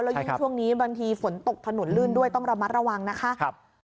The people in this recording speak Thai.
ยิ่งช่วงนี้บางทีฝนตกถนนลื่นด้วยต้องระมัดระวังนะคะ